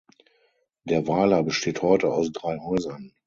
Der Weiler besteht heute aus drei Häusern.